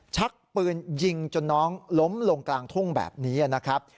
ชักปืนยิงจนน้องล้มลงกลางทุ่งแบบนี้นะครับ